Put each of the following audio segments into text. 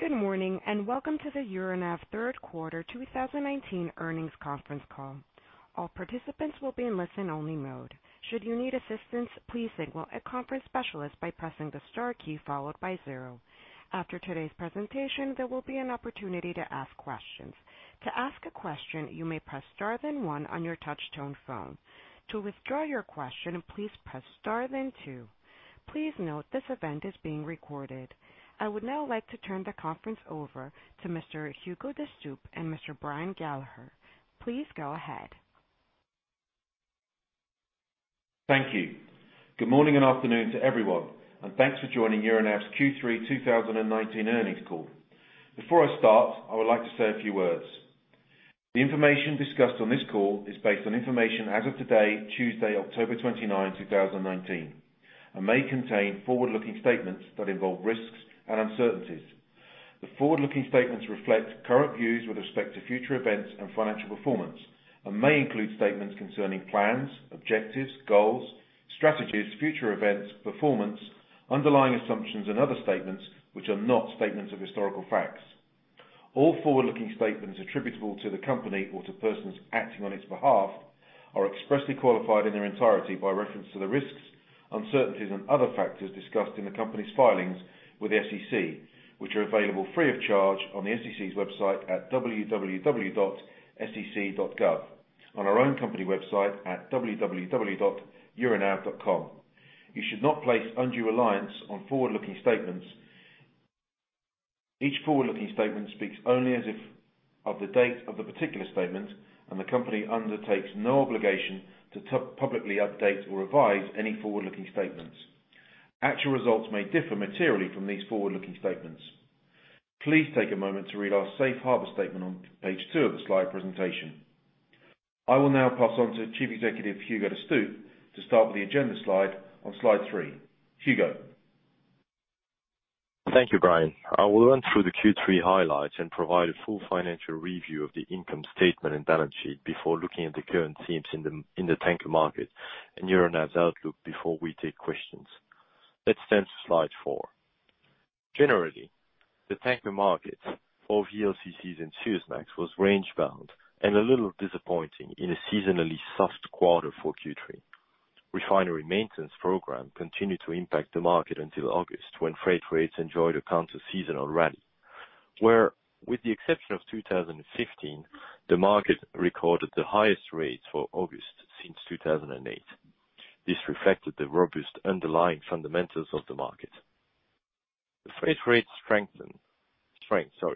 Good morning, and welcome to the Euronav third quarter 2019 earnings conference call. All participants will be in listen-only mode. Should you need assistance, please signal a conference specialist by pressing the star key followed by zero. After today's presentation, there will be an opportunity to ask questions. To ask a question, you may press star then one on your touchtone phone. To withdraw your question, please press star then two. Please note this event is being recorded. I would now like to turn the conference over to Mr. Hugo De Stoop and Mr. Brian Gallagher. Please go ahead. Thank you. Good morning and afternoon to everyone, and thanks for joining Euronav's Q3 2019 earnings call. Before I start, I would like to say a few words. The information discussed on this call is based on information as of today, Tuesday, October 29, 2019, and may contain forward-looking statements that involve risks and uncertainties. The forward-looking statements reflect current views with respect to future events and financial performance and may include statements concerning plans, objectives, goals, strategies, future events, performance, underlying assumptions, and other statements which are not statements of historical facts. All forward-looking statements attributable to the company or to persons acting on its behalf are expressly qualified in their entirety by reference to the risks, uncertainties, and other factors discussed in the company's filings with the SEC, which are available free of charge on the SEC's website at www.sec.gov, on our own company website at www.euronav.com. You should not place undue reliance on forward-looking statements. Each forward-looking statement speaks only as of the date of the particular statement. The company undertakes no obligation to publicly update or revise any forward-looking statements. Actual results may differ materially from these forward-looking statements. Please take a moment to read our safe harbor statement on page two of the slide presentation. I will now pass on to Chief Executive Hugo De Stoop to start with the agenda slide on slide three. Hugo. Thank you, Brian. I will run through the Q3 highlights and provide a full financial review of the income statement and balance sheet before looking at the current themes in the tanker market and Euronav's outlook before we take questions. Let's turn to slide four. Generally, the tanker market for VLCCs and Suezmax was range-bound and a little disappointing in a seasonally soft quarter for Q3. Refinery maintenance program continued to impact the market until August, when freight rates enjoyed a counterseasonal rally, where with the exception of 2015, the market recorded the highest rates for August since 2008. This reflected the robust underlying fundamentals of the market. The freight rate strength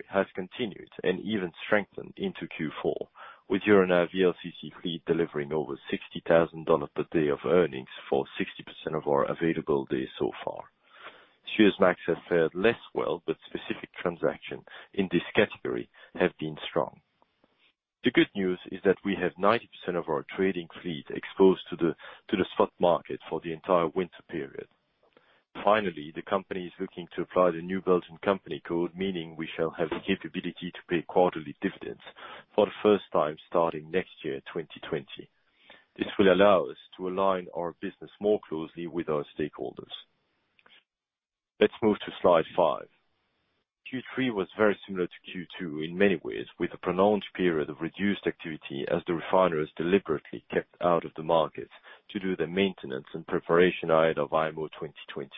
has continued and even strengthened into Q4, with Euronav VLCC fleet delivering over $60,000 per day of earnings for 60% of our available days so far. Suezmax have fared less well, specific transaction in this category have been strong. The good news is that we have 90% of our trading fleet exposed to the spot market for the entire winter period. Finally, the company is looking to apply the new Belgian Company Code, meaning we shall have the capability to pay quarterly dividends for the first time starting next year, 2020. This will allow us to align our business more closely with our stakeholders. Let's move to slide five. Q3 was very similar to Q2 in many ways, with a prolonged period of reduced activity as the refiners deliberately kept out of the market to do their maintenance and preparation ahead of IMO 2020.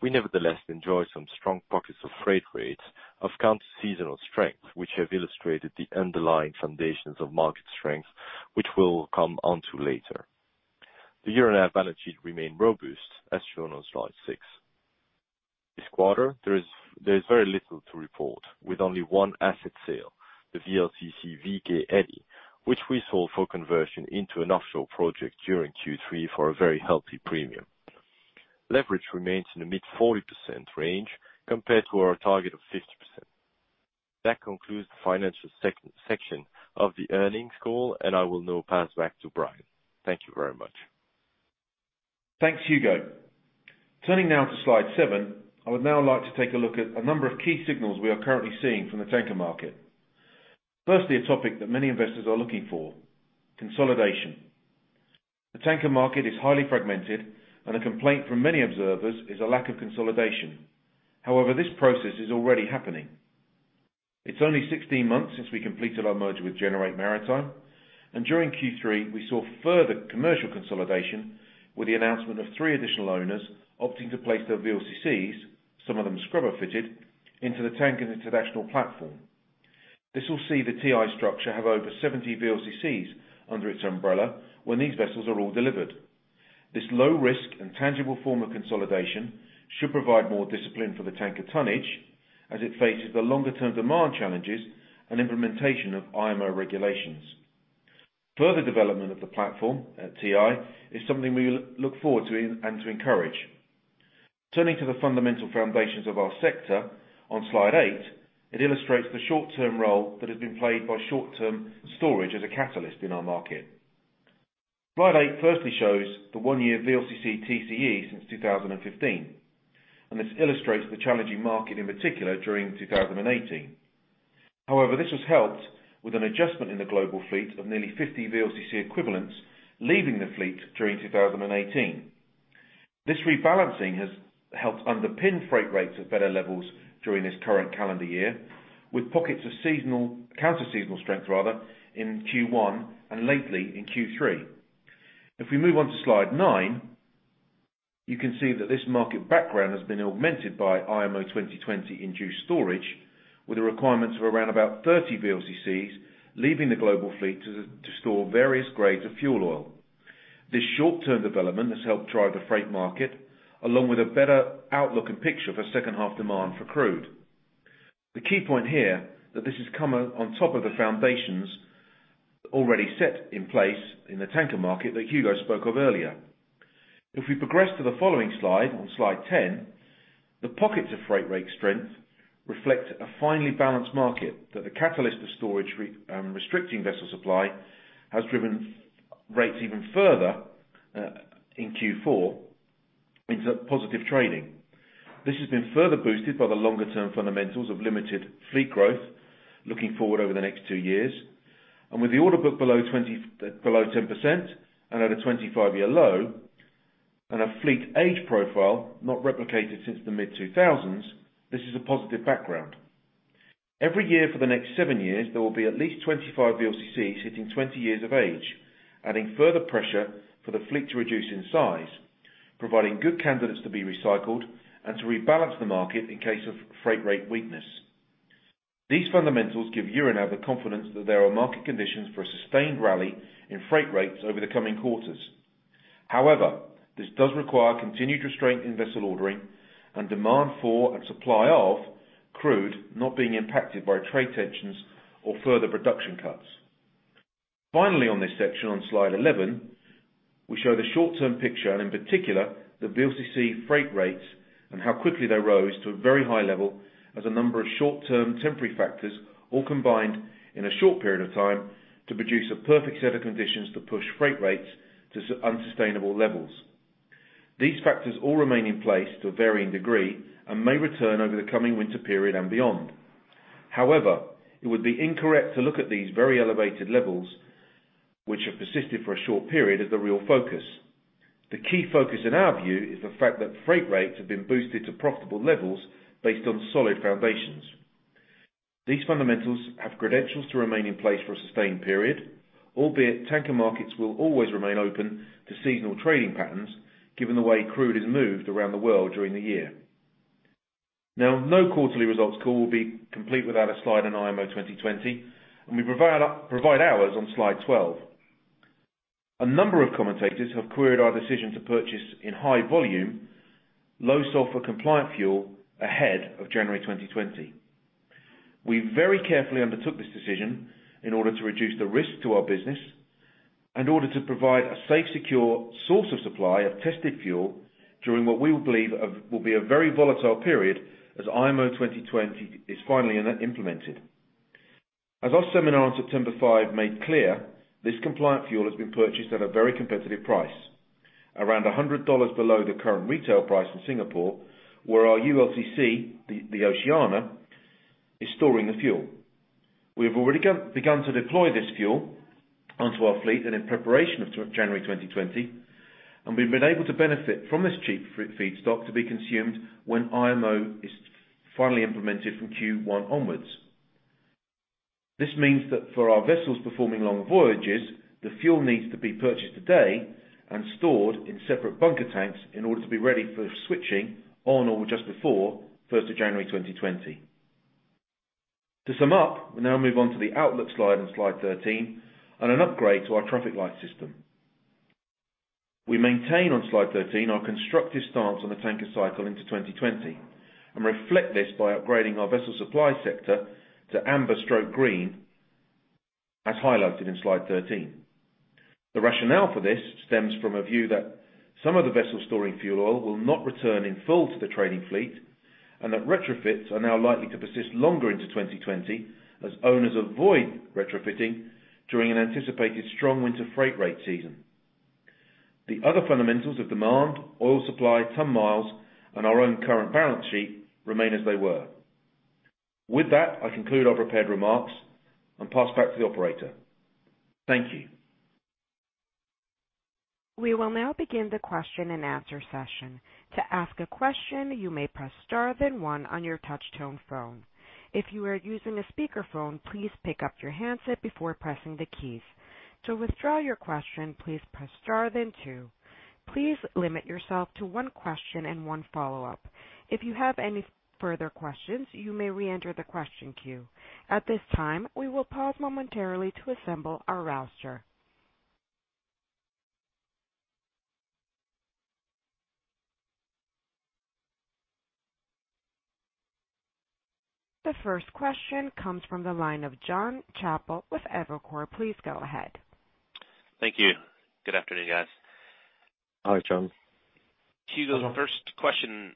We nevertheless enjoy some strong pockets of freight rates of counterseasonal strength, which have illustrated the underlying foundations of market strength, which we'll come on to later. The Euronav balance sheet remained robust, as shown on slide six. This quarter, there is very little to report, with only one asset sale, the VLCC V.K. Eddie, which we sold for conversion into an offshore project during Q3 for a very healthy premium. Leverage remains in the mid 40% range compared to our target of 50%. That concludes the financial section of the earnings call, and I will now pass back to Brian. Thank you very much. Thanks, Hugo. Turning now to slide seven, I would now like to take a look at a number of key signals we are currently seeing from the tanker market. Firstly, a topic that many investors are looking for, consolidation. The tanker market is highly fragmented and a complaint from many observers is a lack of consolidation. However, this process is already happening. It's only 16 months since we completed our merger with Gener8 Maritime, and during Q3, we saw further commercial consolidation with the announcement of three additional owners opting to place their VLCCs, some of them scrubber-fitted, into the Tankers International platform. This will see the TI structure have over 70 VLCCs under its umbrella when these vessels are all delivered. This low risk and tangible form of consolidation should provide more discipline for the tanker tonnage as it faces the longer-term demand challenges and implementation of IMO regulations. Further development of the platform at TI is something we look forward to and to encourage. Turning to the fundamental foundations of our sector, on slide eight, it illustrates the short-term role that has been played by short-term storage as a catalyst in our market. Slide eight firstly shows the one-year VLCC TCE since 2015. This illustrates the challenging market, in particular, during 2018. However, this was helped with an adjustment in the global fleet of nearly 50 VLCC equivalents leaving the fleet during 2018. This rebalancing has helped underpin freight rates at better levels during this current calendar year, with pockets of counter seasonal strength, rather, in Q1 and lately in Q3. If we move on to slide nine, you can see that this market background has been augmented by IMO 2020 induced storage, with the requirements of around about 30 VLCCs leaving the global fleet to store various grades of fuel oil. This short-term development has helped drive the freight market, along with a better outlook and picture for second half demand for crude. The key point here, that this has come on top of the foundations already set in place in the tanker market that Hugo spoke of earlier. If we progress to the following slide, on slide 10, the pockets of freight rate strength reflect a finely balanced market that the catalyst of storage restricting vessel supply has driven rates even further in Q4 into positive trading. This has been further boosted by the longer-term fundamentals of limited fleet growth looking forward over the next two years, and with the order book below 10% and at a 25-year low, and a fleet age profile not replicated since the mid-2000s, this is a positive background. Every year for the next seven years, there will be at least 25 VLCCs hitting 20 years of age, adding further pressure for the fleet to reduce in size, providing good candidates to be recycled and to rebalance the market in case of freight rate weakness. These fundamentals give Euronav the confidence that there are market conditions for a sustained rally in freight rates over the coming quarters. However, this does require continued restraint in vessel ordering and demand for and supply of crude not being impacted by trade tensions or further reduction cuts. Finally, on this section on slide 11, we show the short-term picture and, in particular, the VLCC freight rates and how quickly they rose to a very high level as a number of short-term temporary factors all combined in a short period of time to produce a perfect set of conditions to push freight rates to unsustainable levels. These factors all remain in place to a varying degree and may return over the coming winter period and beyond. It would be incorrect to look at these very elevated levels, which have persisted for a short period, as the real focus. The key focus in our view is the fact that freight rates have been boosted to profitable levels based on solid foundations. These fundamentals have credentials to remain in place for a sustained period, albeit tanker markets will always remain open to seasonal trading patterns, given the way crude is moved around the world during the year. No quarterly results call will be complete without a slide on IMO 2020, and we provide ours on slide 12. A number of commentators have queried our decision to purchase in high volume, low sulfur compliant fuel ahead of January 2020. We very carefully undertook this decision in order to reduce the risk to our business in order to provide a safe, secure source of supply of tested fuel during what we believe will be a very volatile period as IMO 2020 is finally implemented. As our seminar on September 5 made clear, this compliant fuel has been purchased at a very competitive price, around $100 below the current retail price in Singapore, where our ULCC, the Oceania, is storing the fuel. We have already begun to deploy this fuel onto our fleet and in preparation of January 2020, and we've been able to benefit from this cheap feedstock to be consumed when IMO is finally implemented from Q1 onwards. This means that for our vessels performing long voyages, the fuel needs to be purchased today and stored in separate bunker tanks in order to be ready for switching on or just before 1st of January 2020. To sum up, we now move on to the outlook slide on slide 13 and an upgrade to our traffic light system. We maintain on slide 13 our constructive stance on the tanker cycle into 2020 and reflect this by upgrading our vessel supply sector to amber/green, as highlighted in slide 13. The rationale for this stems from a view that some of the vessel storing fuel oil will not return in full to the trading fleet, and that retrofits are now likely to persist longer into 2020 as owners avoid retrofitting during an anticipated strong winter freight rate season. The other fundamentals of demand, oil supply, ton-miles, and our own current balance sheet remain as they were. With that, I conclude our prepared remarks and pass back to the operator. Thank you. We will now begin the question and answer session. To ask a question, you may press star then one on your touch tone phone. If you are using a speakerphone, please pick up your handset before pressing the keys. To withdraw your question, please press star then two. Please limit yourself to one question and one follow-up. If you have any further questions, you may reenter the question queue. At this time, we will pause momentarily to assemble our roster. The first question comes from the line of Jonathan Chappell with Evercore ISI. Please go ahead. Thank you. Good afternoon, guys. Hi, John. Hugo, the first question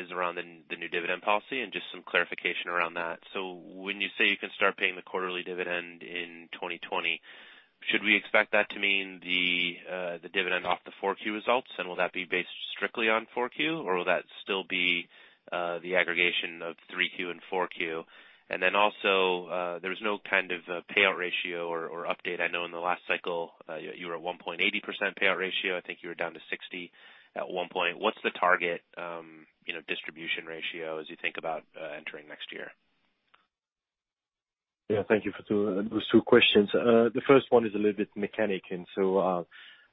is around the new dividend policy and just some clarification around that. When you say you can start paying the quarterly dividend in 2020? Should we expect that to mean the dividend off the 4Q results? Will that be based strictly on 4Q, or will that still be the aggregation of 3Q and 4Q? Also, there was no payout ratio or update. I know in the last cycle, you were at 1.80% payout ratio. I think you were down to 60% at one point. What's the target distribution ratio as you think about entering next year? Thank you for those two questions. The first one is a little bit mechanic, the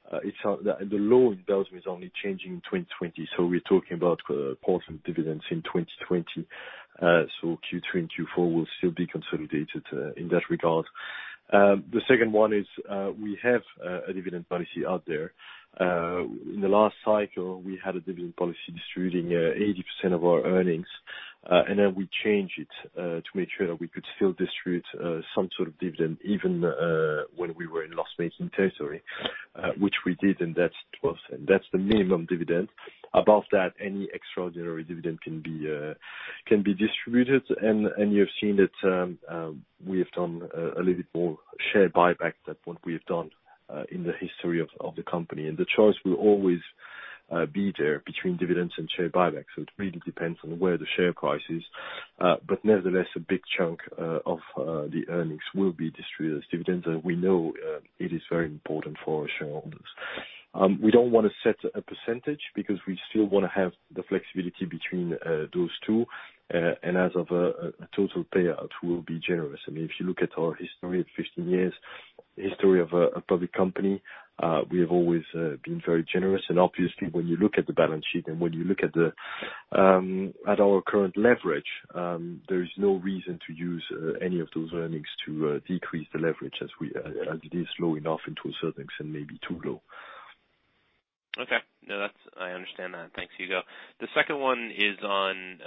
law in Belgium is only changing in 2020. We're talking about portion dividends in 2020. Q3 and Q4 will still be consolidated in that regard. The second one is, we have a dividend policy out there. In the last cycle, we had a dividend policy distributing 80% of our earnings, then we changed it, to make sure that we could still distribute some sort of dividend, even when we were in loss-making territory, which we did, that's the minimum dividend. Above that, any extraordinary dividend can be distributed. You've seen that we have done a little bit more share buyback than what we have done in the history of the company. The choice will always be there between dividends and share buyback. It really depends on where the share price is. Nevertheless, a big chunk of the earnings will be distributed as dividends. We know it is very important for our shareholders. We don't want to set a percentage, because we still want to have the flexibility between those two. As of a total payout, we will be generous. If you look at our history of 15 years, history of a public company, we have always been very generous. Obviously, when you look at the balance sheet and when you look at our current leverage, there is no reason to use any of those earnings to decrease the leverage as it is low enough in terms of earnings and maybe too low. Okay. No, I understand that. Thanks, Hugo. The second one is on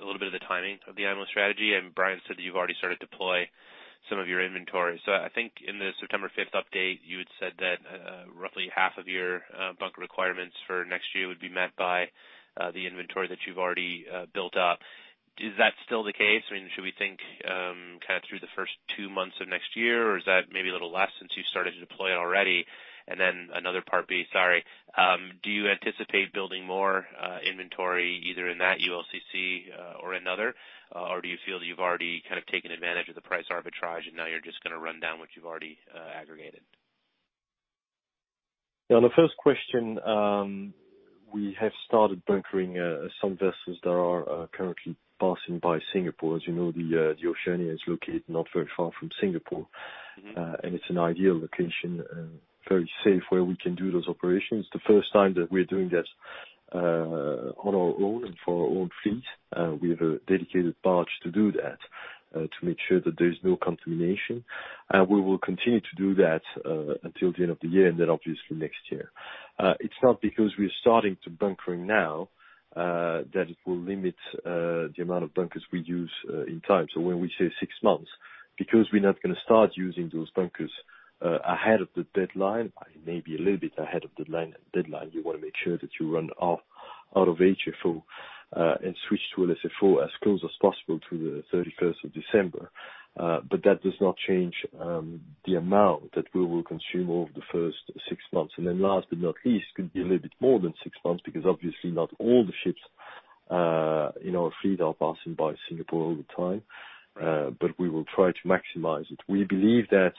a little bit of the timing of the annual strategy. Brian said that you've already started to deploy some of your inventory. I think in the September 5th update, you had said that roughly half of your bunker requirements for next year would be met by the inventory that you've already built up. Is that still the case? Should we think through the first two months of next year, is that maybe a little less since you started to deploy already? Another part B, sorry. Do you anticipate building more inventory either in that ULCC or another? Do you feel that you've already taken advantage of the price arbitrage and now you're just going to run down what you've already aggregated? On the first question, we have started bunkering some vessels that are currently passing by Singapore. As you know, the Oceania is located not very far from Singapore. It's an ideal location, very safe where we can do those operations. The first time that we're doing that on our own and for our own fleet, we have a dedicated barge to do that, to make sure that there is no contamination. We will continue to do that until the end of the year, and then obviously next year. It's not because we are starting to bunker now, that it will limit the amount of bunkers we use in time. When we say six months, because we're not going to start using those bunkers ahead of the deadline, maybe a little bit ahead of deadline. You want to make sure that you run out of HFO, and switch to LSFO as close as possible to the 31st of December. That does not change the amount that we will consume over the first six months. Last but not least, could be a little bit more than six months, because obviously not all the ships in our fleet are passing by Singapore all the time. We will try to maximize it. We believe that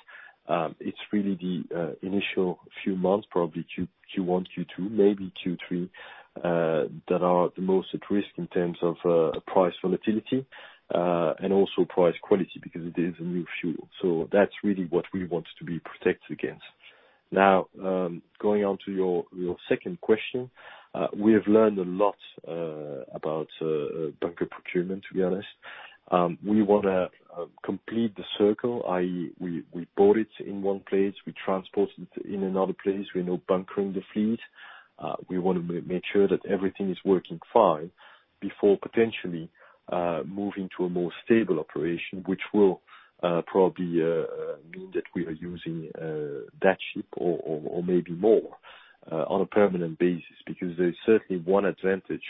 it's really the initial few months, probably Q1, Q2, maybe Q3, that are the most at risk in terms of price volatility, and also price quality because it is a new fuel. That's really what we want to be protected against. Going on to your second question. We have learned a lot about bunker procurement, to be honest. We want to complete the circle, i.e., we bought it in one place, we transported in another place. We're now bunkering the fleet. We want to make sure that everything is working fine before potentially, moving to a more stable operation, which will probably mean that we are using that ship or maybe more on a permanent basis. There's certainly one advantage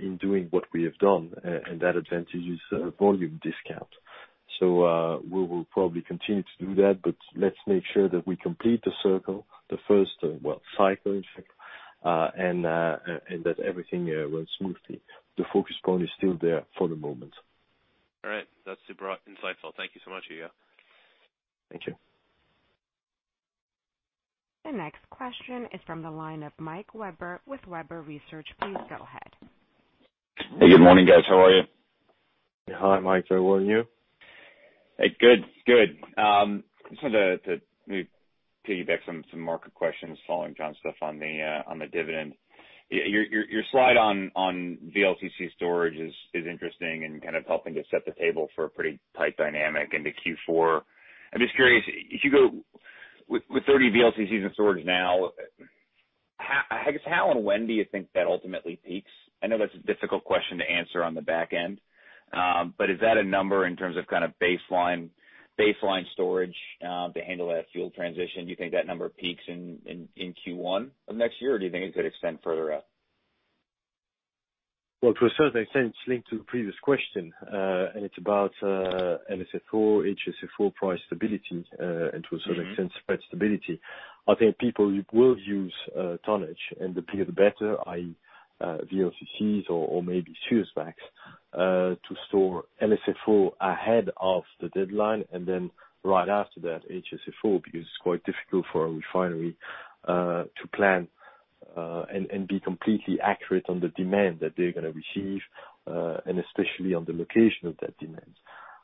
in doing what we have done, and that advantage is volume discount. We will probably continue to do that, but let's make sure that we complete the circle, the first cycle, in fact, and that everything runs smoothly. The focus point is still there for the moment. All right. That's super insightful. Thank you so much, Hugo. Thank you. The next question is from the line of Michael Webber with Webber Research & Advisory. Please go ahead. Hey, good morning, guys. How are you? Hi, Mike. Very well, and you? Hey, good. Just wanted to piggyback some market questions following John's stuff on the dividend. Your slide on VLCC storage is interesting and helping to set the table for a pretty tight dynamic into Q4. I'm just curious, Hugo, with 30 VLCCs in storage now, I guess, how and when do you think that ultimately peaks? I know that's a difficult question to answer on the back end. Is that a number in terms of baseline storage to handle that fuel transition? Do you think that number peaks in Q1 of next year, or do you think it could extend further out? Well, to a certain extent, it's linked to the previous question, and it's about LSFO, HSFO price stability, and to a certain extent spread stability. I think people will use tonnage, and the bigger, the better, i.e., VLCCs or maybe Suezmax, to store LSFO ahead of the deadline and then right after that, HSFO, because it's quite difficult for a refinery to plan and be completely accurate on the demand that they're going to receive, and especially on the location of that demand.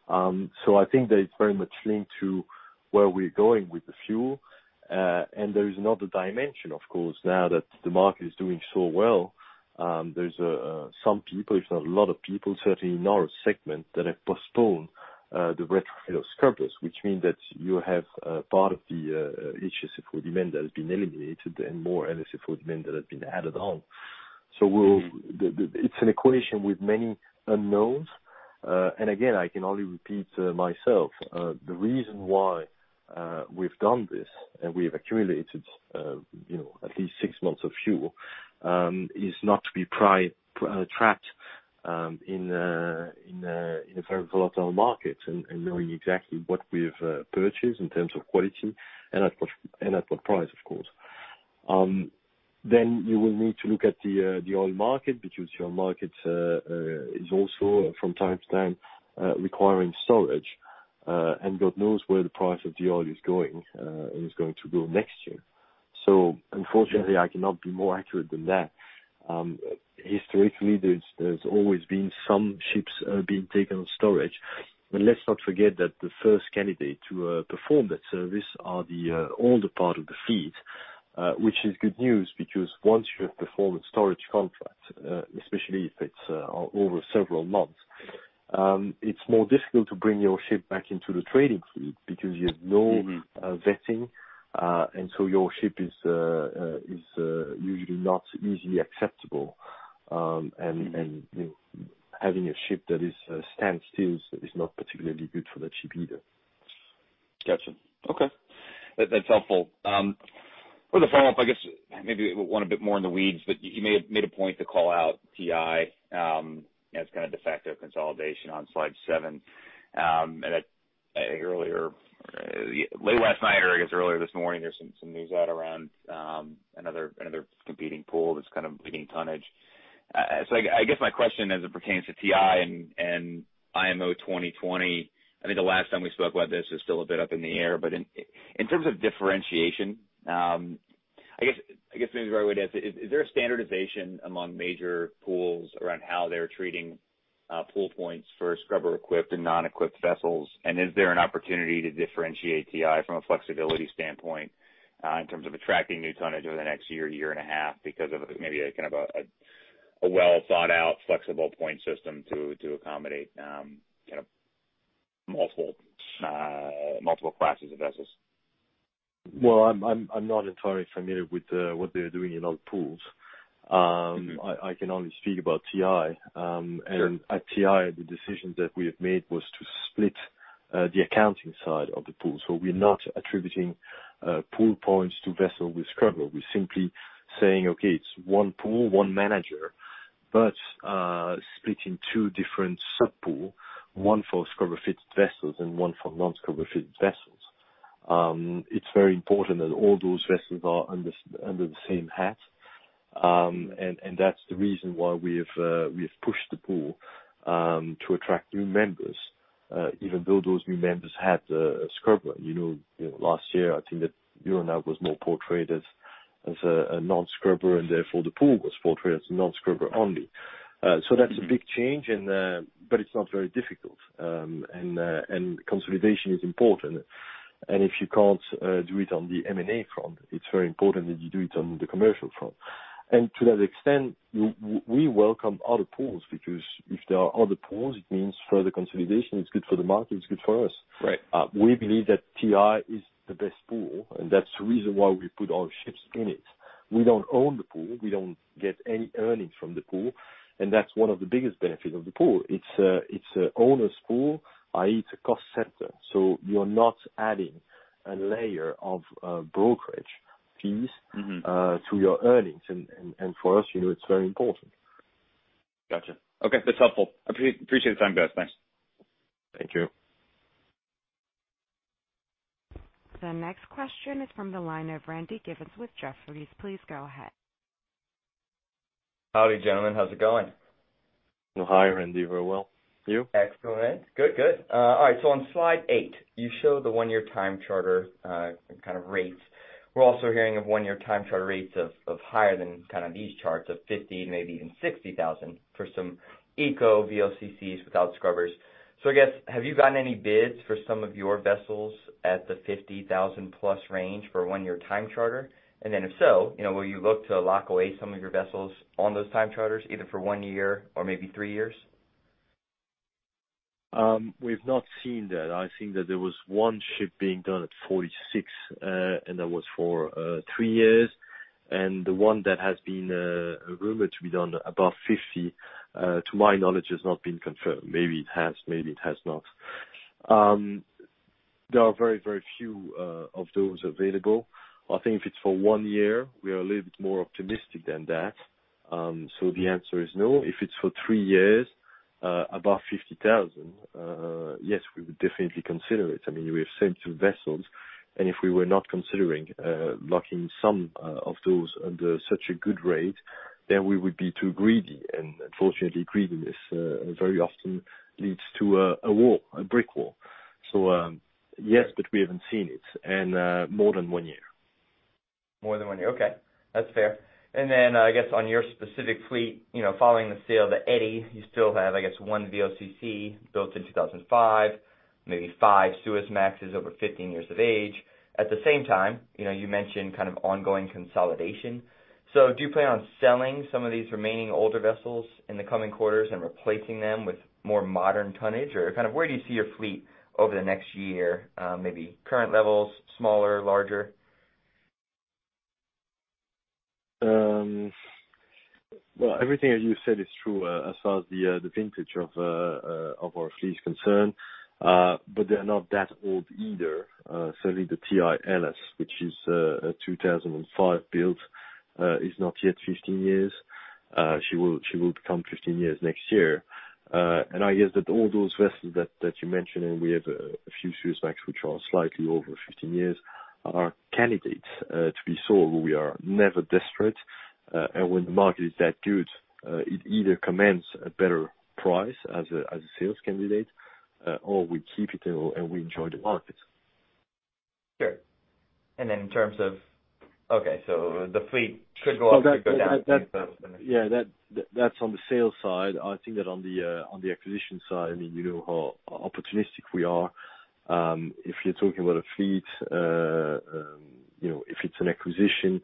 I think that it's very much linked to where we're going with the fuel. There is another dimension, of course, now that the market is doing so well. There's some people, if not a lot of people, certainly in our segment, that have postponed the retrofitted scrubbers, which means that you have part of the HSFO demand that has been eliminated and more LSFO demand that has been added on. It's an equation with many unknowns. Again, I can only repeat myself. The reason why we've done this, and we have accumulated at least 6 months of fuel, is not to be trapped in a very volatile market and knowing exactly what we've purchased in terms of quality and at what price, of course. You will need to look at the oil market, because the oil market is also from time to time requiring storage, and God knows where the price of the oil is going, and is going to go next year. Unfortunately, I cannot be more accurate than that. Historically, there's always been some ships being taken on storage. Let's not forget that the first candidate to perform that service are the older part of the fleet, which is good news, because once you have performed storage contracts, especially if it's over several months, it's more difficult to bring your ship back into the trading fleet because you have no vetting, and so your ship is usually not easily acceptable. Having a ship that stands still is not particularly good for that ship either. Got you. Okay. That's helpful. With a follow-up, I guess, maybe one a bit more in the weeds, but you made a point to call out TI as kind of de facto consolidation on slide seven. Late last night or I guess earlier this morning, there's some news out around another competing pool that's kind of bleeding tonnage. I guess my question as it pertains to TI and IMO 2020, I think the last time we spoke about this, it was still a bit up in the air. In terms of differentiation, I guess maybe the right way to ask it, is there a standardization among major pools around how they're treating pool points for scrubber-equipped and non-equipped vessels? Is there an opportunity to differentiate TI from a flexibility standpoint in terms of attracting new tonnage over the next year and a half because of maybe a well-thought-out flexible point system to accommodate multiple classes of vessels? Well, I'm not entirely familiar with what they're doing in other pools. I can only speak about TI. Sure. At TI, the decision that we have made was to split the accounting side of the pool. We're not attributing pool points to vessels with scrubber. We're simply saying, okay, it's one pool, one manager, but split in two different sub-pool, one for scrubber-fitted vessels and one for non-scrubber-fitted vessels. It's very important that all those vessels are under the same hat, and that's the reason why we have pushed the pool to attract new members, even though those new members had a scrubber. Last year, I think that Euronav was more portrayed as a non-scrubber, and therefore, the pool was portrayed as non-scrubber only. That's a big change, but it's not very difficult. Consolidation is important. If you can't do it on the M&A front, it's very important that you do it on the commercial front. To that extent, we welcome other pools, because if there are other pools, it means further consolidation. It's good for the market, it's good for us. Right. We believe that TI is the best pool. That's the reason why we put our ships in it. We don't own the pool. We don't get any earnings from the pool. That's one of the biggest benefits of the pool. It's an owner's pool, i.e., it's a cost center. You are not adding a layer of brokerage fees to your earnings. For us, it's very important. Got you. Okay. That's helpful. I appreciate the time, Guy. Thanks. Thank you. The next question is from the line of Randy Giveans with Jefferies. Please go ahead. Howdy, gentlemen. How's it going? Oh, hi, Randy. Very well. You? Excellent. Good. All right. On slide eight, you show the 1-year time charter kind of rates. We're also hearing of 1-year time charter rates of higher than kind of these charts of $50,000, maybe even $60,000 for some Eco VLCCs without scrubbers. I guess, have you gotten any bids for some of your vessels at the $50,000-plus range for a 1-year time charter? If so, will you look to lock away some of your vessels on those time charters, either for 1 year or maybe 3 years? We've not seen that. I think that there was one ship being done at $46,000, and that was for three years. The one that has been rumored to be done above $50,000, to my knowledge, has not been confirmed. Maybe it has, maybe it has not. There are very, very few of those available. I think if it's for one year, we are a little bit more optimistic than that. The answer is no. If it's for three years, above $50,000, yes, we would definitely consider it. We have sent two vessels, and if we were not considering locking some of those under such a good rate, then we would be too greedy, and unfortunately, greediness very often leads to a brick wall. Yes, but we haven't seen it in more than one year. More than one year. Okay, that's fair. I guess on your specific fleet, following the sale of the Eddie, you still have, I guess, one VLCC built in 2005, maybe five Suezmaxes over 15 years of age. At the same time, you mentioned ongoing consolidation. Do you plan on selling some of these remaining older vessels in the coming quarters and replacing them with more modern tonnage? Where do you see your fleet over the next year? Maybe current levels, smaller, larger? Everything that you said is true, as far as the vintage of our fleet is concerned. They're not that old either. Certainly the TI Hellas, which is a 2005 build, is not yet 15 years. She will become 15 years next year. I guess that all those vessels that you mentioned, and we have a few Suezmax which are slightly over 15 years, are candidates to be sold. We are never desperate. When the market is that good, it either commands a better price as a sales candidate, or we keep it, and we enjoy the market. Sure. Okay, the fleet could go up, could go down. Yeah, that's on the sales side. I think that on the acquisition side, you know how opportunistic we are. If you're talking about a fleet, if it's an acquisition,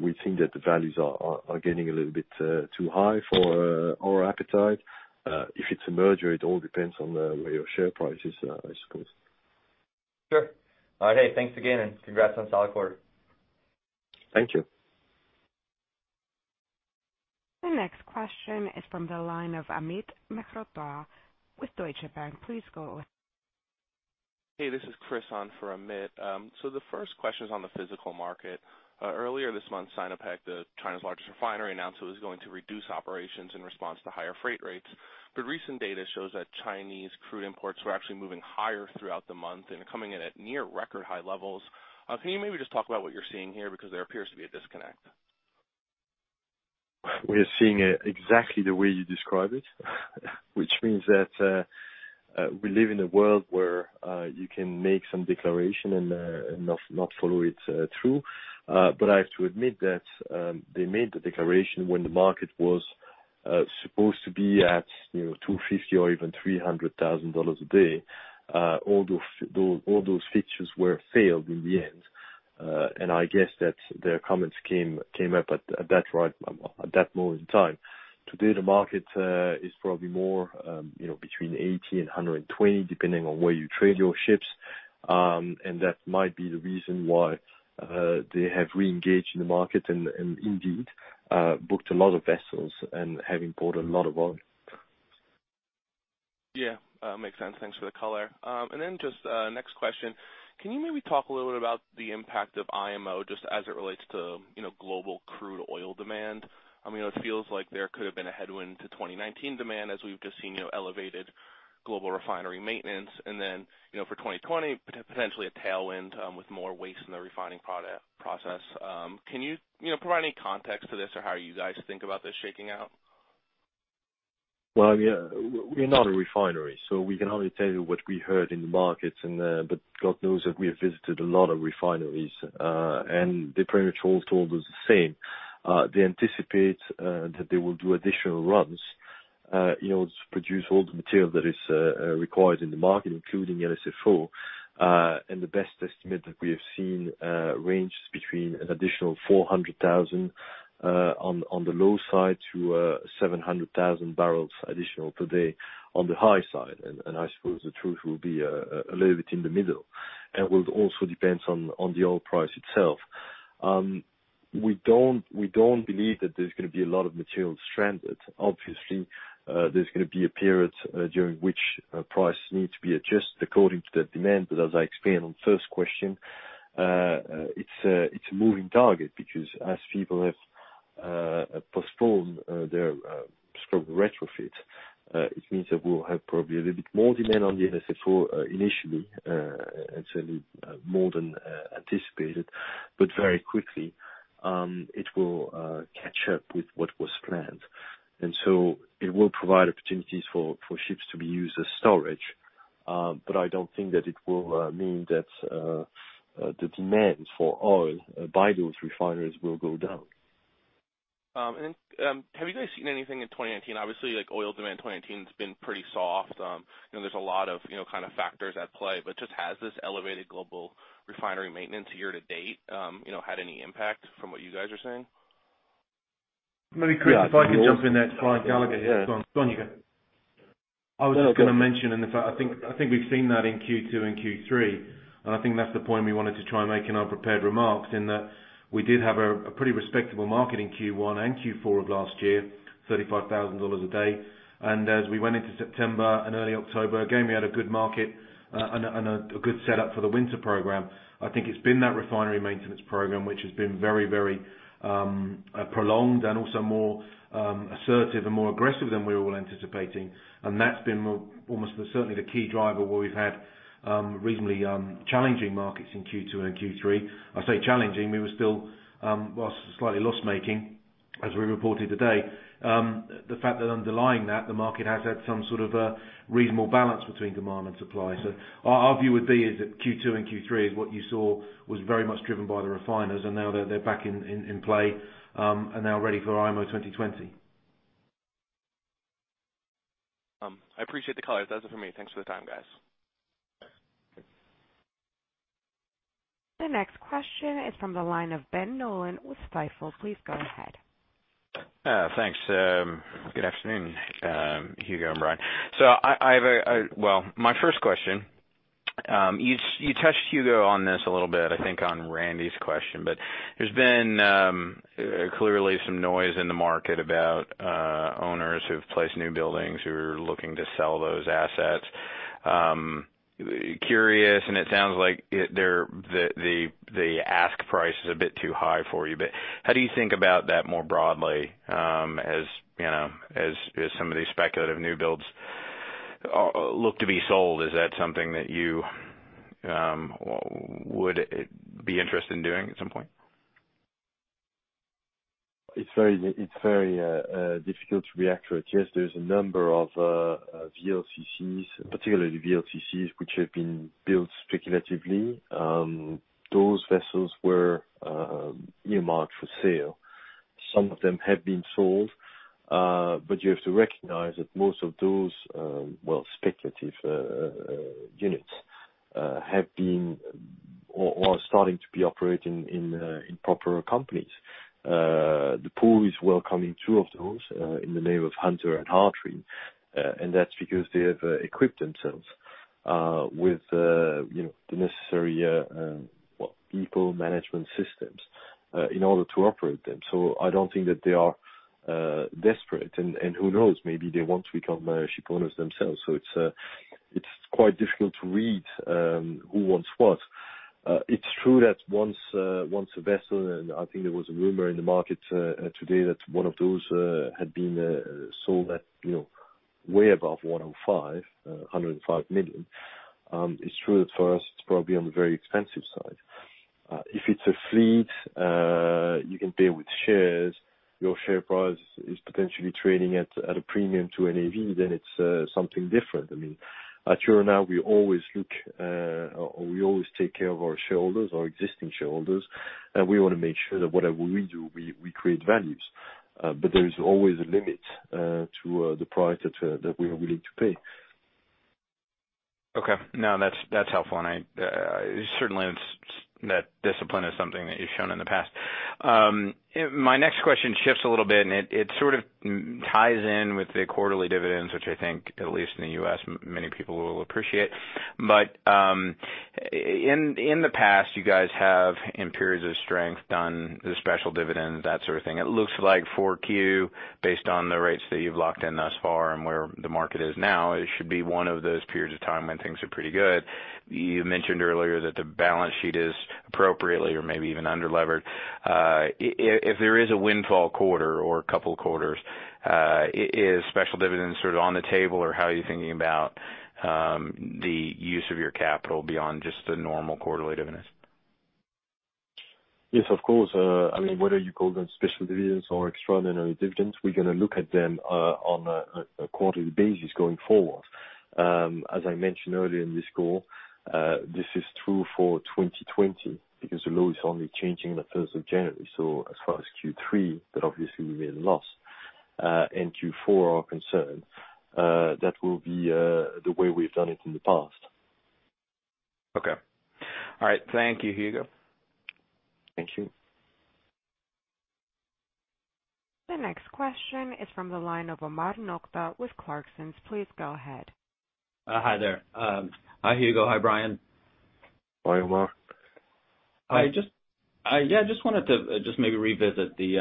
we think that the values are getting a little bit too high for our appetite. If it's a merger, it all depends on where your share price is, I suppose. Sure. All right. Thanks again, and congrats on a solid quarter. Thank you. The next question is from the line of Amit Mehrotra with Deutsche Bank. Please go ahead. Hey, this is Chris on for Amit. The first question is on the physical market. Earlier this month, Sinopec, China's largest refinery, announced it was going to reduce operations in response to higher freight rates. Recent data shows that Chinese crude imports were actually moving higher throughout the month and coming in at near record high levels. Can you maybe just talk about what you're seeing here? There appears to be a disconnect. We are seeing it exactly the way you describe it, which means that we live in a world where you can make some declaration and not follow it through. I have to admit that they made the declaration when the market was supposed to be at $250,000 or even $300,000 a day. All those features were failed in the end. I guess that their comments came up at that moment in time. Today, the market is probably more between $80 and $120, depending on where you trade your ships. That might be the reason why they have reengaged in the market, and indeed, booked a lot of vessels and have imported a lot of oil. Yeah. Makes sense. Thanks for the color. Just next question, can you maybe talk a little bit about the impact of IMO just as it relates to global crude oil demand? It feels like there could have been a headwind to 2019 demand, as we've just seen elevated global refinery maintenance. For 2020, potentially a tailwind with more waste in the refining process. Can you provide any context to this or how you guys think about this shaking out? Well, we are not a refinery, so we can only tell you what we heard in the markets. God knows that we have visited a lot of refineries, and they pretty much all told us the same. They anticipate that they will do additional runs to produce all the material that is required in the market, including LSFO. The best estimate that we have seen ranges between an additional 400,000 on the low side to 700,000 barrels additional per day on the high side. I suppose the truth will be a little bit in the middle. It will also depends on the oil price itself. We don't believe that there's going to be a lot of material stranded. Obviously, there's going to be a period during which price needs to be adjusted according to the demand. As I explained on first question, it's a moving target because as people have postponed their scrub retrofits, it means that we'll have probably a little bit more demand on the LSFO initially, certainly more than anticipated. Very quickly, it will catch up with what was planned. It will provide opportunities for ships to be used as storage. I don't think that it will mean that the demand for oil by those refineries will go down. Have you guys seen anything in 2019? Obviously, oil demand 2019 has been pretty soft. There's a lot of factors at play. Just has this elevated global refinery maintenance year to date had any impact from what you guys are seeing? Maybe, Chris, if I could jump in there. It's Brian Gallagher here. Go on. Go on, you go. No, go on. I was just going to mention, and I think we've seen that in Q2 and Q3. I think that's the point we wanted to try and make in our prepared remarks, in that we did have a pretty respectable market in Q1 and Q4 of last year, $35,000 a day. As we went into September and early October, again, we had a good market and a good setup for the winter program. I think it's been that refinery maintenance program which has been very prolonged and also more assertive and more aggressive than we were all anticipating. That's been almost certainly the key driver where we've had reasonably challenging markets in Q2 and Q3. I say challenging, we were still, whilst slightly loss-making, as we reported today, the fact that underlying that, the market has had some sort of a reasonable balance between demand and supply. Our view would be is that Q2 and Q3 is what you saw was very much driven by the refiners, and now they're back in play, and now ready for IMO 2020. I appreciate the color. That's it for me. Thanks for the time, guys. The next question is from the line of Ben Nolan with Stifel. Please go ahead. Thanks. Good afternoon, Hugo and Brian. My first question, you touched, Hugo, on this a little bit, I think, on Randy's question. There's been clearly some noise in the market about owners who've placed new buildings who are looking to sell those assets. Curious, it sounds like the ask price is a bit too high for you, how do you think about that more broadly, as some of these speculative new builds look to be sold? Is that something that you would be interested in doing at some point? It's very difficult to be accurate. Yes, there's a number of VLCCs, particularly VLCCs, which have been built speculatively. Those vessels were earmarked for sale. Some of them have been sold. You have to recognize that most of those speculative units have been or are starting to be operating in proper companies. The pool is welcoming two of those, in the name of Hunter and Hartley, and that's because they have equipped themselves with the necessary people management systems in order to operate them. I don't think that they are desperate, and who knows, maybe they want to become shipowners themselves. It's quite difficult to read who wants what. It's true that once a vessel, and I think there was a rumor in the market today that one of those had been sold at way above $105 million. It's true that for us, it's probably on the very expensive side. If it's a fleet, you can play with shares. Your share price is potentially trading at a premium to NAV, then it's something different. At Euronav, we always take care of our shareholders, our existing shareholders, and we want to make sure that whatever we do, we create values. There is always a limit to the price that we are willing to pay. Okay. No, that's helpful, and certainly, that discipline is something that you've shown in the past. My next question shifts a little bit, and it sort of ties in with the quarterly dividends, which I think, at least in the U.S., many people will appreciate. In the past, you guys have, in periods of strength, done the special dividend, that sort of thing. It looks like 4Q, based on the rates that you've locked in thus far and where the market is now, it should be one of those periods of time when things are pretty good. You mentioned earlier that the balance sheet is appropriately or maybe even underlevered. If there is a windfall quarter or a couple of quarters, is special dividends on the table, or how are you thinking about the use of your capital beyond just the normal quarterly dividends? Yes, of course. Whether you call them special dividends or extraordinary dividends, we're going to look at them on a quarterly basis going forward. As I mentioned earlier in this call, this is true for 2020 because the law is only changing on the 1st of January. As far as Q3, that obviously will be a loss, and Q4 are concerned. That will be the way we've done it in the past. Okay. All right. Thank you, Hugo. Thank you. The next question is from the line of Omar Nokta with Clarksons. Please go ahead. Hi there. Hi, Hugo. Hi, Brian. Hi, Omar. I just wanted to just maybe revisit the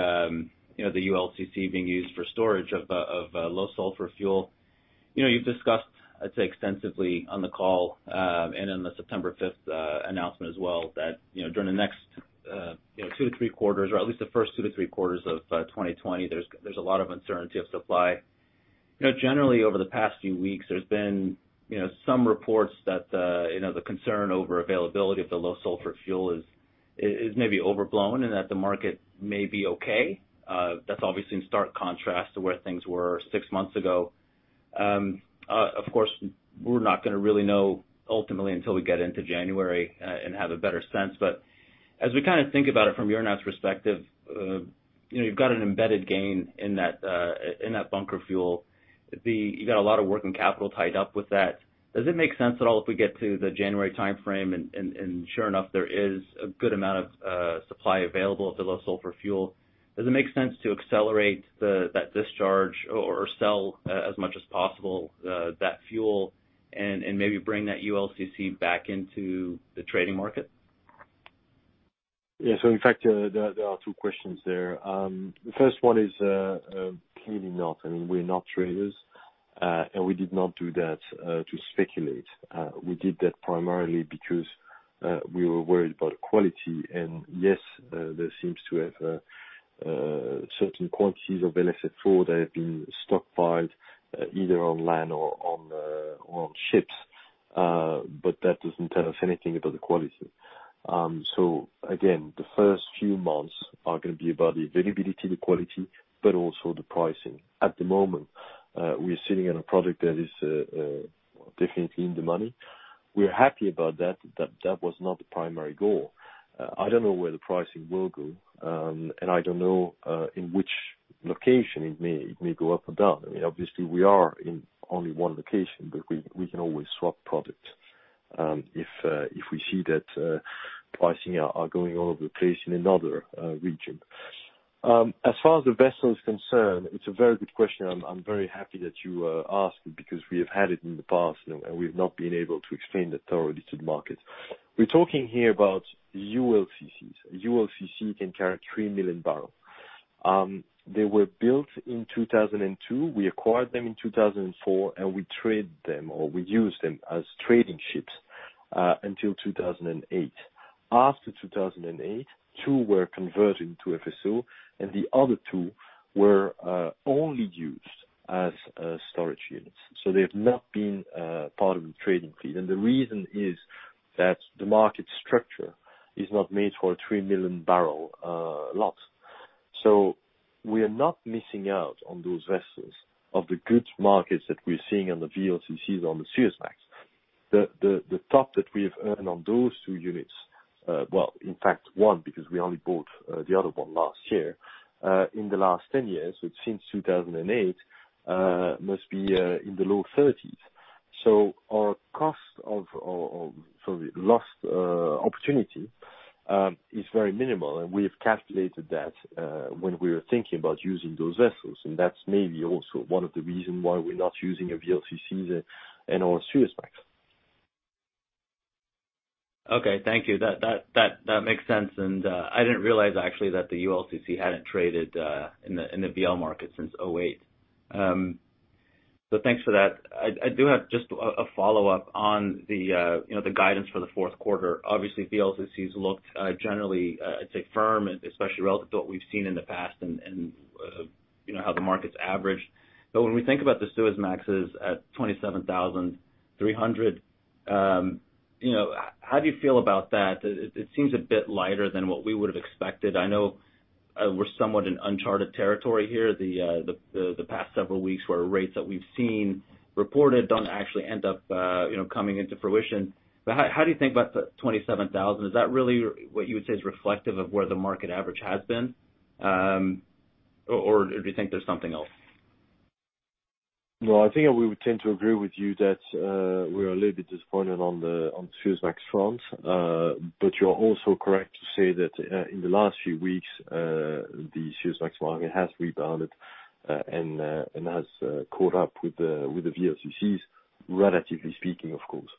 ULCC being used for storage of low sulfur fuel. You've discussed extensively on the call, and in the September 5th announcement as well, that during the next two to three quarters, or at least the first two to three quarters of 2020, there's a lot of uncertainty of supply. Generally, over the past few weeks, there's been some reports that the concern over availability of the low sulfur fuel is maybe overblown and that the market may be okay. That's obviously in stark contrast to where things were six months ago. Of course, we're not going to really know ultimately until we get into January and have a better sense. As we think about it from Euronav's perspective, you've got an embedded gain in that bunker fuel. You got a lot of working capital tied up with that. Does it make sense at all if we get to the January timeframe, and sure enough, there is a good amount of supply available of the Low Sulfur fuel? Does it make sense to accelerate that discharge or sell as much as possible, that fuel, and maybe bring that ULCC back into the trading market? In fact, there are two questions there. The first one is clearly not. I mean, we are not traders, and we did not do that to speculate. We did that primarily because we were worried about quality. Yes, there seems to have certain quantities of LSFO that have been stockpiled either on land or on ships. That doesn't tell us anything about the quality. Again, the first few months are going to be about the availability, the quality, but also the pricing. At the moment, we are sitting on a product that is definitely in the money. We are happy about that, but that was not the primary goal. I don't know where the pricing will go, and I don't know in which location it may go up or down. I mean, obviously we are in only one location, but we can always swap products, if we see that pricing are going all over the place in another region. As far as the vessel is concerned, it's a very good question. I'm very happy that you asked because we have had it in the past, and we've not been able to explain that thoroughly to the market. We're talking here about ULCCs. ULCC can carry 3 million barrel. They were built in 2002. We acquired them in 2004, and we trade them, or we used them as trading ships until 2008. After 2008, two were converted into FSO, and the other two were only used as storage units. They've not been part of the trading fleet. The reason is that the market structure is not made for a 3 million barrel lot. We are not missing out on those vessels of the goods markets that we're seeing on the VLCCs, on the Suezmax. The top that we have earned on those two units, well, in fact one, because we only bought the other one last year, in the last ten years, so it's since 2008, must be in the low thirties. Our cost of lost opportunity is very minimal, and we have calculated that when we were thinking about using those vessels, and that's maybe also one of the reason why we're not using a VLCCs and/or Suezmax. Okay. Thank you. That makes sense. I didn't realize actually that the ULCC hadn't traded in the VL market since 2008. Thanks for that. I do have just a follow-up on the guidance for the fourth quarter. Obviously VLCCs looked generally, I'd say firm, especially relative to what we've seen in the past and how the market's averaged. When we think about the Suezmaxes at $27,300, how do you feel about that? It seems a bit lighter than what we would've expected. I know we're somewhat in uncharted territory here, the past several weeks, where rates that we've seen reported don't actually end up coming into fruition. How do you think about the $27,000? Is that really what you would say is reflective of where the market average has been? Do you think there's something else? No, I think we would tend to agree with you that we are a little bit disappointed on the Suezmax front. You are also correct to say that, in the last few weeks, the Suezmax market has rebounded, and has caught up with the VLCCs, relatively speaking, of course.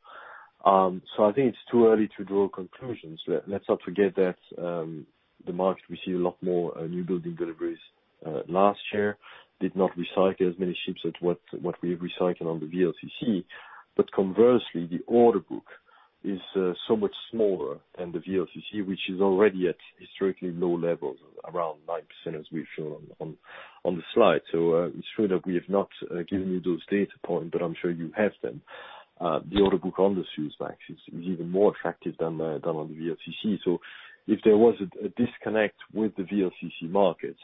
I think it's too early to draw conclusions. Let's not forget that the market received a lot more new building deliveries last year, did not recycle as many ships as what we have recycled on the VLCC. Conversely, the order book is so much smaller than the VLCC, which is already at historically low levels, around 9%, as we've shown on the slide. It's true that we have not given you those data points, but I'm sure you have them. The order book on the Suezmax is even more attractive than on the VLCC. If there was a disconnect with the VLCC market,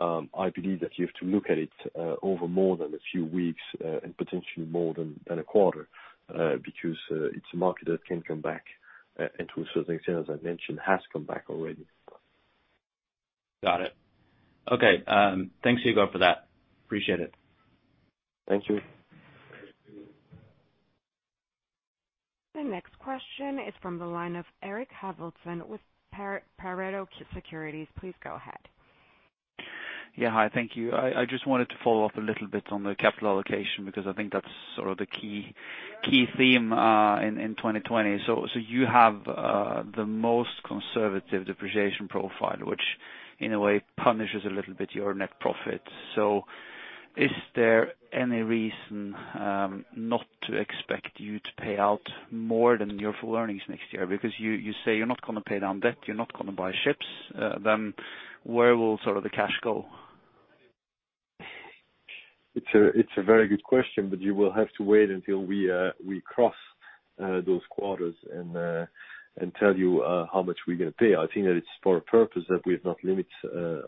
I believe that you have to look at it over more than a few weeks, and potentially more than a quarter, because it's a market that can come back, and to a certain extent, as I mentioned, has come back already. Got it. Okay. Thanks, Hugo, for that. Appreciate it. Thank you. The next question is from the line of Erik Hovi with Pareto Securities. Please go ahead. Yeah. Hi. Thank you. I just wanted to follow up a little bit on the capital allocation, because I think that's sort of the key theme, in 2020. You have the most conservative depreciation profile, which in a way punishes a little bit your net profit. Is there any reason not to expect you to pay out more than your full earnings next year? Because you say you're not going to pay down debt, you're not going to buy ships, then where will sort of the cash go? It's a very good question, but you will have to wait until we cross those quarters and tell you how much we're going to pay. I think that it's for a purpose that we have not limited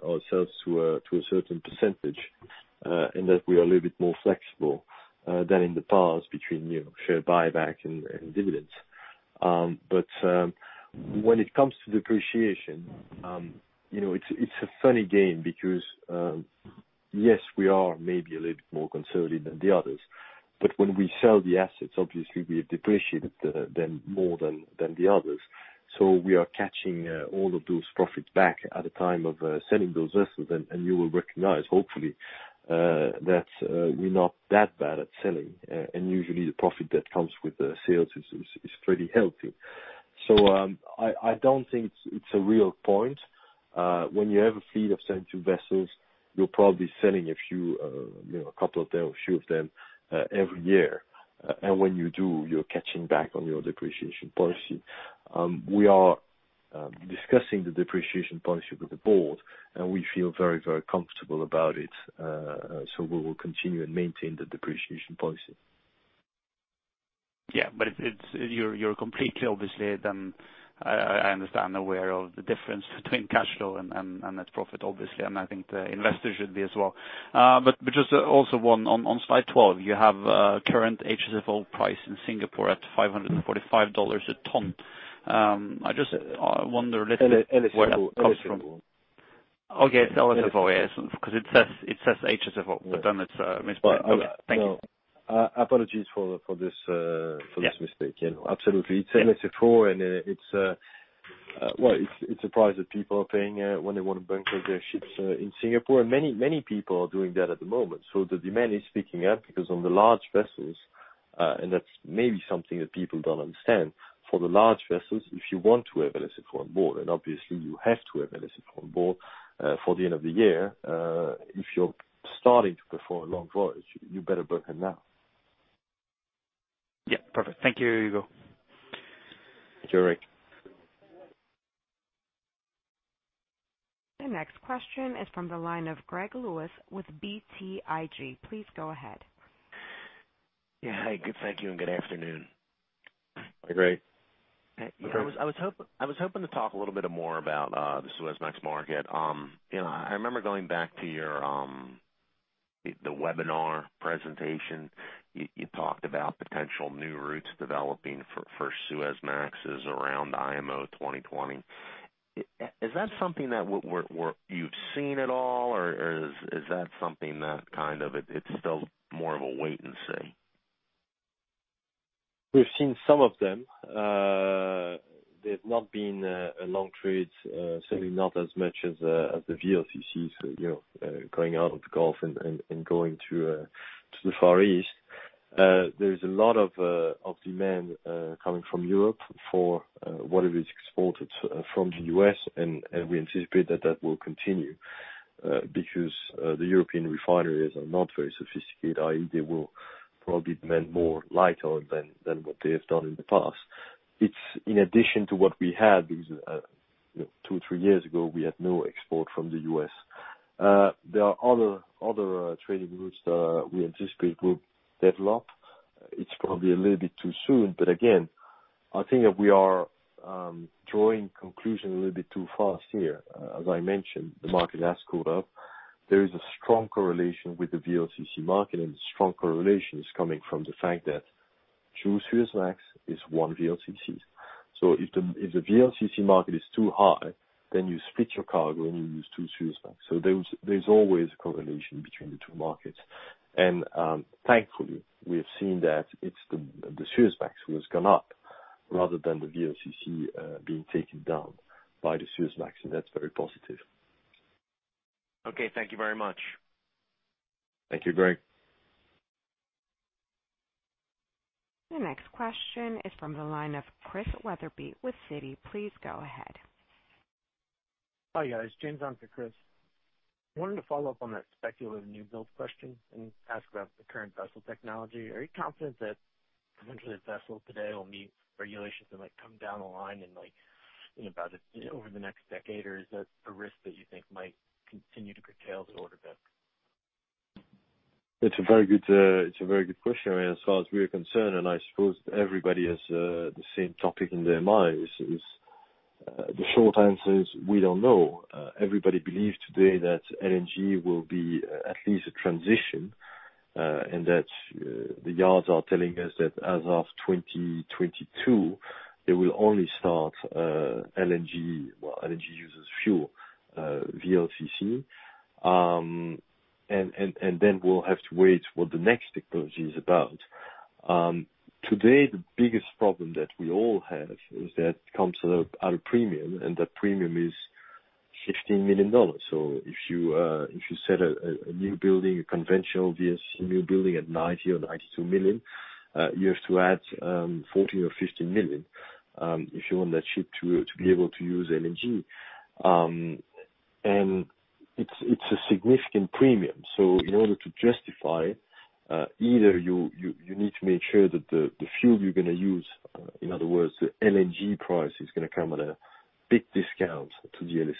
ourselves to a certain percentage, and that we are a little bit more flexible, than in the past between share buyback and dividends. When it comes to depreciation, it's a funny game because, yes, we are maybe a little more conservative than the others. When we sell the assets, obviously, we have depreciated them more than the others. We are catching all of those profits back at the time of selling those vessels, and you will recognize, hopefully, that we're not that bad at selling. Usually, the profit that comes with the sales is pretty healthy. I don't think it's a real point. When you have a fleet of 72 vessels, you're probably selling a couple of them, a few of them every year. When you do, you're catching back on your depreciation policy. We are discussing the depreciation policy with the board, and we feel very comfortable about it. We will continue and maintain the depreciation policy. Yeah. You're completely, obviously then, I understand, aware of the difference between cash flow and net profit, obviously, and I think the investors should be as well. Just also, one, on slide 12, you have current HSFO price in Singapore at $545 a ton. I just wonder a little. LSFO. Where that comes from. Okay. It's LSFO. Yes. It says HSFO. It's misprint. Okay. Thank you. No. Apologies for this mistake. Yeah. Absolutely. It's LSFO, and it's a price that people are paying when they want to bunker their ships in Singapore. Many people are doing that at the moment. The demand is picking up because on the large vessels, and that's maybe something that people don't understand. For the large vessels, if you want to have LSFO on board, and obviously you have to have LSFO on board for the end of the year, if you're starting to perform a long voyage, you better bunker now. Yeah. Perfect. Thank you, Hugo. Thank you, Erik. The next question is from the line of Greg Lewis with BTIG. Please go ahead. Yeah. Hi, good. Thank you, and good afternoon. Hi, Greg. I was hoping to talk a little bit more about the Suezmax market. I remember going back to the webinar presentation, you talked about potential new routes developing for Suezmax around IMO 2020. Is that something that you've seen at all, or is that something that it's still more of a wait and see? We've seen some of them. There's not been a long trade, certainly not as much as the VLCC, going out of the Gulf and going to the Far East. There is a lot of demand coming from Europe for whatever is exported from the U.S., we anticipate that that will continue because the European refineries are not very sophisticated, i.e., they will probably demand more lighter than what they have done in the past. It's in addition to what we had, because two, three years ago, we had no export from the U.S. There are other trading routes that we anticipate will develop. It's probably a little bit too soon, again, I think that we are drawing conclusions a little bit too fast here. As I mentioned, the market has cooled off. There is a strong correlation with the VLCC market, and the strong correlation is coming from the fact that two Suezmax is one VLCC. If the VLCC market is too high, then you split your cargo, and you use two Suezmax. There's always a correlation between the two markets. Thankfully, we have seen that it's the Suezmax who has gone up rather than the VLCC being taken down by the Suezmax, and that's very positive. Okay. Thank you very much. Thank you, Greg. The next question is from the line of Chris Wetherbee with Citi. Please go ahead. Hi, guys. James on for Chris. Wanted to follow up on that speculative new build question and ask about the current vessel technology. Are you confident that eventually a vessel today will meet regulations and come down the line in about over the next decade, or is that a risk that you think might continue to curtail the order book? It's a very good question. As far as we are concerned, I suppose everybody has the same topic in their minds, is the short answer is we don't know. Everybody believes today that LNG will be at least a transition, that the yards are telling us that as of 2022, they will only start LNG. Well, LNG-fueled VLCC. Then we'll have to wait what the next technology is about. Today, the biggest problem that we all have is that comes at a premium, that premium is $15 million. If you set a new building, a conventional VLCC new building at $90 million or $92 million, you have to add $40 million or $15 million if you want that ship to be able to use LNG. It's a significant premium. In order to justify, either you need to make sure that the fuel you're going to use, in other words, the LNG price, is going to come at a big discount to the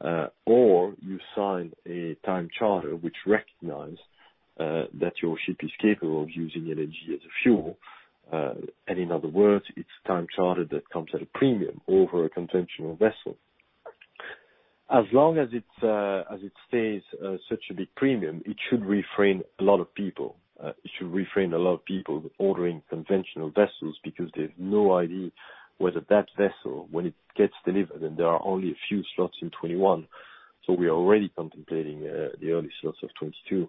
LSFO. You sign a time charter which recognize that your ship is capable of using LNG as a fuel. In other words, it's time chartered that comes at a premium over a conventional vessel. As long as it stays such a big premium, it should refrain a lot of people ordering conventional vessels because they have no idea whether that vessel, when it gets delivered, and there are only a few slots in 2021. We are already contemplating the early slots of 2022.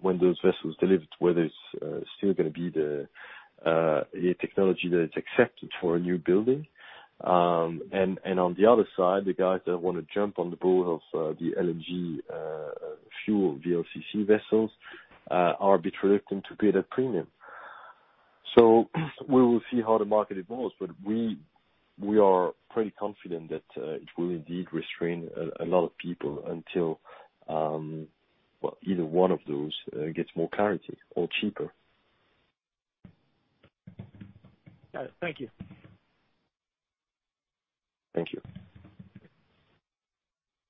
When those vessels deliver, whether it's still going to be the technology that is accepted for a new building. On the other side, the guys that want to jump on the boat of the LNG fuel VLCC vessels are a bit reluctant to pay that premium. We will see how the market evolves, but we are pretty confident that it will indeed restrain a lot of people until either one of those gets more clarity or cheaper. Got it. Thank you. Thank you.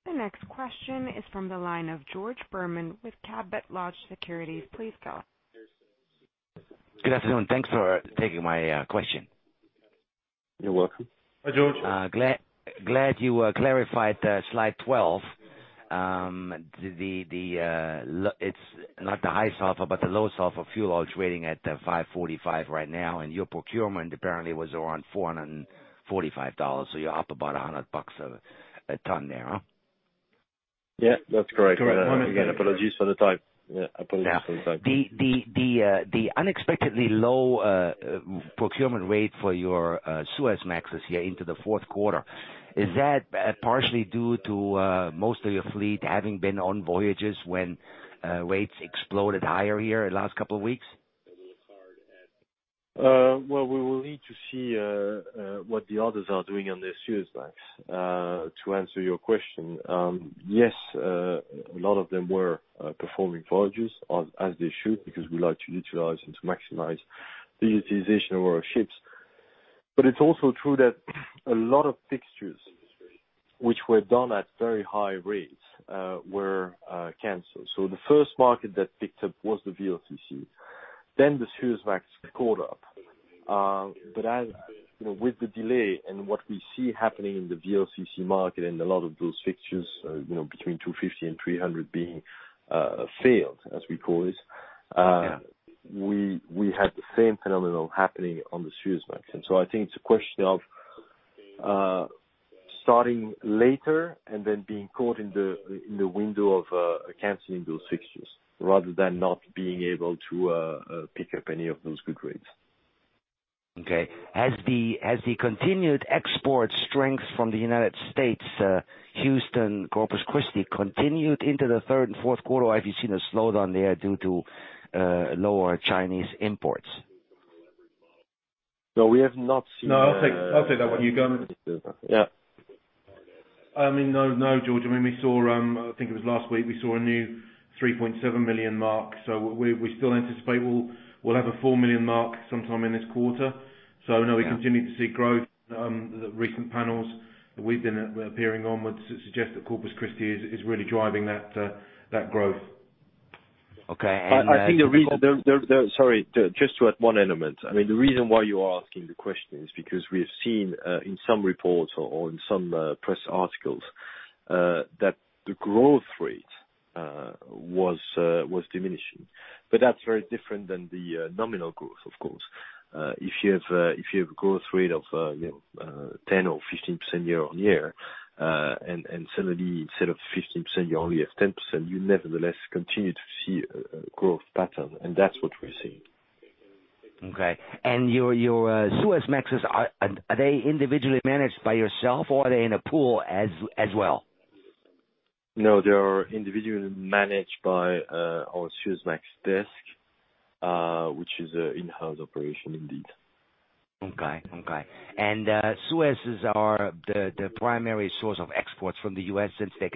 The next question is from the line of George Berman with Cabot Lodge Securities. Please go ahead. Good afternoon. Thanks for taking my question. You're welcome. Hi, George. Glad you clarified slide 12. It's not the high sulfur, but the low sulfur fuel oil trading at $545 right now, and your procurement apparently was around $445. You're up about $100 a ton there, huh? Yeah, that's correct. Again, apologies for the typo. Yeah, apologies for the typo. The unexpectedly low procurement rate for your Suezmaxes here into the fourth quarter, is that partially due to most of your fleet having been on voyages when rates exploded higher here the last couple of weeks? Well, we will need to see what the others are doing on their Suezmax, to answer your question. Yes, a lot of them were performing voyages as they should, because we like to utilize and to maximize the utilization of our ships. It's also true that a lot of fixtures, which were done at very high rates, were canceled. The first market that picked up was the VLCC, then the Suezmax caught up. With the delay and what we see happening in the VLCC market and a lot of those fixtures between $250 and $300 being failed, as we call it. Yeah We had the same phenomenon happening on the Suezmax. I think it's a question of starting later and then being caught in the window of canceling those fixtures, rather than not being able to pick up any of those good rates. Okay. Has the continued export strength from the United States, Houston, Corpus Christi, continued into the third and fourth quarter, or have you seen a slowdown there due to lower Chinese imports? We have not seen- No, I'll take that one. You go on. Yeah. No, George. I think it was last week, we saw a new 3.7 million mark. We still anticipate we'll have a 4 million mark sometime in this quarter. No, we continue to see growth. The recent panels that we've been appearing on would suggest that Corpus Christi is really driving that growth. Okay. Sorry, just to add one element. The reason why you are asking the question is because we have seen in some reports or in some press articles, that the growth rate was diminishing. That's very different than the nominal growth, of course. If you have a growth rate of 10 or 15% year-on-year, and suddenly instead of 15%, you only have 10%, you nevertheless continue to see a growth pattern. That's what we're seeing. Okay. Your Suezmaxes, are they individually managed by yourself, or are they in a pool as well? No, they are individually managed by our Suezmax desk, which is an in-house operation indeed. Okay. Suez is the primary source of exports from the U.S. since, I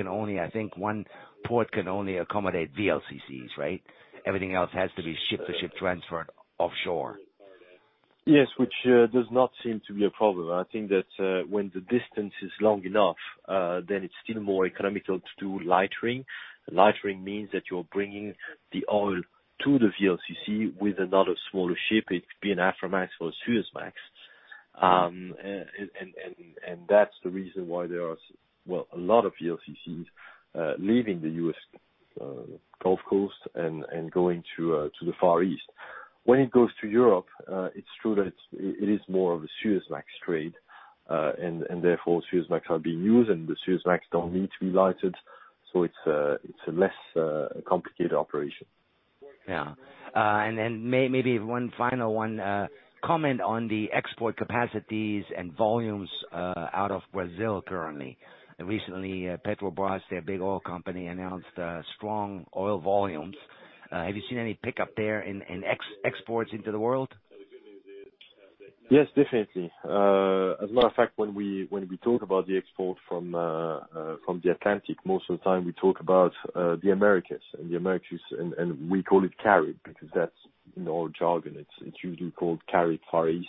think, one port can only accommodate VLCCs, right? Everything else has to be ship-to-ship transferred offshore. Yes, which does not seem to be a problem. I think that when the distance is long enough, then it's still more economical to do lightering. Lightering means that you're bringing the oil to the VLCC with another smaller ship. It could be an Aframax or Suezmax. That's the reason why there are a lot of VLCCs leaving the U.S. Gulf Coast and going to the Far East. When it goes to Europe, it's true that it is more of a Suezmax trade. Therefore, Suezmax are being used, and the Suezmax don't need to be lightered. It's a less complicated operation. Yeah. Maybe one final one. Comment on the export capacities and volumes out of Brazil currently. Recently, Petrobras, their big oil company, announced strong oil volumes. Have you seen any pickup there in exports into the world? Yes, definitely. As a matter of fact, when we talk about the export from the Atlantic, most of the time we talk about the Americas. The Americas, we call it Carib, because that's in the oil jargon. It's usually called Carib, Far East.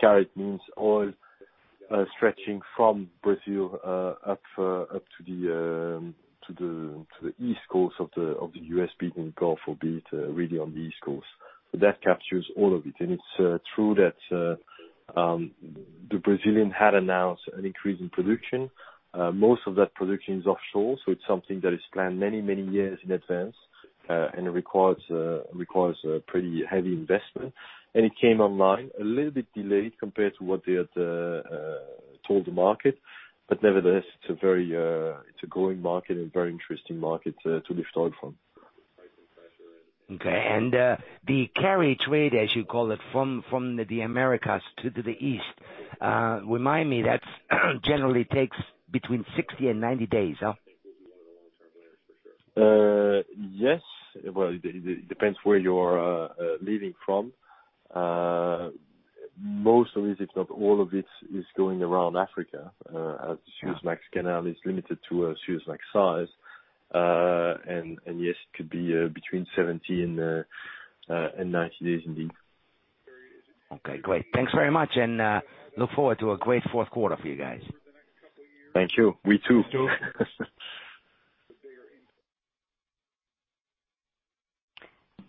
Carib means oil stretching from Brazil up to the east coast of the U.S., be it in Gulf or be it really on the East Coast. That captures all of it. It's true that the Brazilian had announced an increase in production. Most of that production is offshore, so it's something that is planned many years in advance, and it requires a pretty heavy investment. It came online a little bit delayed compared to what they had told the market. Nevertheless, it's a growing market and very interesting market to restore it from. Okay. The Carib trade, as you call it, from the Americas to the East, remind me, that generally takes between 60 and 90 days, huh? Yes. Well, it depends where you are leaving from. Most of it, if not all of it, is going around Africa, as the Suez Canal is limited to a Suezmax size. Yes, it could be between 70 and 90 days indeed. Okay, great. Thanks very much. Look forward to a great fourth quarter for you guys. Thank you. We too.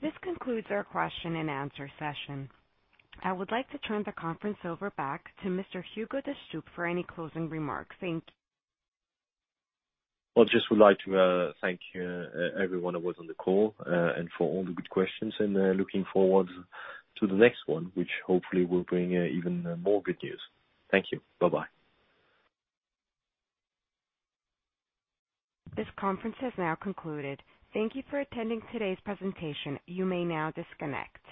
This concludes our question and answer session. I would like to turn the conference over back to Mr. Hugo de Stoop for any closing remarks. Thank you. I just would like to thank everyone who was on the call, and for all the good questions, and looking forward to the next one, which hopefully will bring even more good news. Thank you. Bye-bye. This conference has now concluded. Thank you for attending today's presentation. You may now disconnect.